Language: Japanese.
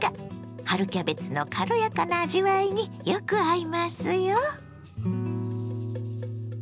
春キャベツの軽やかな味わいによく合いますよ。